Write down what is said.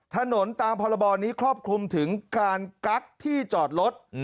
ถนนตามพรบนี้ครอบคลุมถึงการกั๊กที่จอดรถ